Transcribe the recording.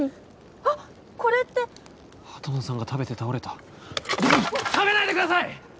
あっこれって畑野さんが食べて倒れた食べないでください！